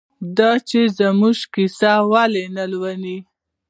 دا چې موږ کیسه ولې نه لولو؟